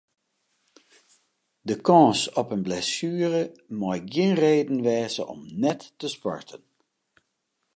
De kâns op in blessuere mei gjin reden wêze om net te sporten.